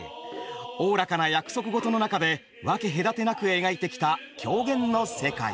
おおらかな約束事の中で分け隔てなく描いてきた狂言の世界。